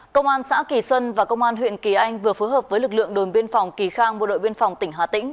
công an xã kỳ xuân và công an huyện kỳ anh vừa phối hợp với lực lượng đồn biên phòng kỳ khang bộ đội biên phòng tỉnh hà tĩnh